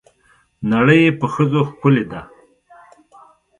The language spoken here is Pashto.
نړۍ په ښځو ښکلې ده.